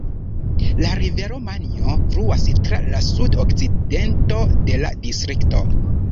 La rivero Majno fluas tra la sud-okcidento de la distrikto.